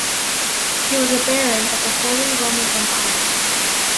He was a Baron of the Holy Roman Empire.